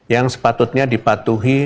yang sepatutnya dipatuhi